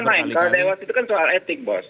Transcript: itu kan lain kalau dewas itu kan soal etik bos